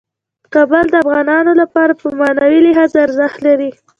کابل د افغانانو لپاره په معنوي لحاظ ارزښت لري.